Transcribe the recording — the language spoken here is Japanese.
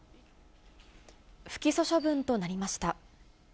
不起訴処分となりました。